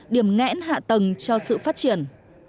điểm ngãn hạ tầng cho sự phát triển